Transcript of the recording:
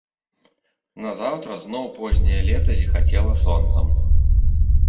Назаўтра зноў позняе лета зіхацела сонцам.